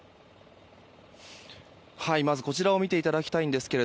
まずこちらを見ていただきたいんですが。